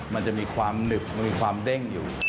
มันจะมีความหนึบมันมีความเด้งอยู่